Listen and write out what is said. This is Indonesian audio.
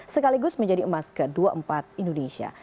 sekaligus menjadi emas kedua empat indonesia